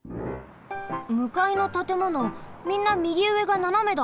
むかいのたてものみんなみぎうえがななめだ。